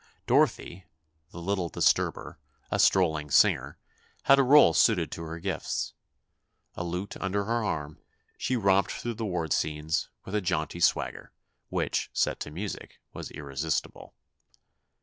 Dorothy, "the Little Disturber," a strolling singer, had a rôle suited to her gifts. A lute under her arm, she romped through the war scenes with a jaunty swagger, which, set to music, was irresistible.